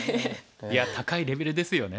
いや高いレベルですよね。